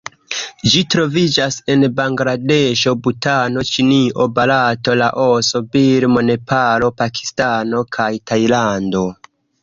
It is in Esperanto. Ĝi troviĝas en Bangladeŝo, Butano, Ĉinio, Barato, Laoso, Birmo, Nepalo, Pakistano kaj Tajlando.